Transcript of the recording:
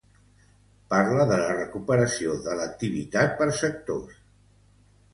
Parla de la recuperació de l’activitat per sectors a l’estat espanyol.